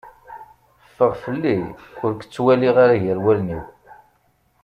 Ffeɣ fell-i ur k-tt waliɣ ara gar wallen-iw.